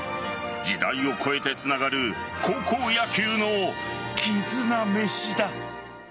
時代を超えてつながる高校野球の絆めしだ。